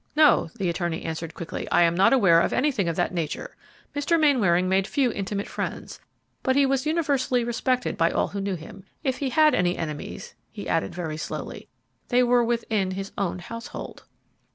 "No," the attorney answered, quickly, "I am not aware of anything of that nature. Mr. Mainwaring made few intimate friends, but he was universally respected by all who knew him. If he had any enemies," he added, very slowly, "they were within his own household."